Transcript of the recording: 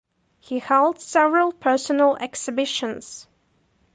He held several personal exhibitions.